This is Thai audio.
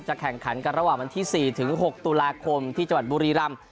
แข่งขันกันระหว่างวันที่๔๖ตุลาคมที่จังหวัดบุรีรำ